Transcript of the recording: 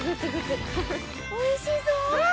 おいしそう。